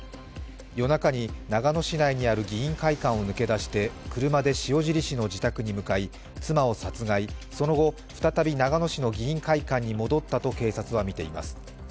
夜中に長野市内にある議員会館を抜け出して車で塩尻市の自宅に向かい妻を殺害、その後再び、長野市の議員会館に戻ったと警察はみています。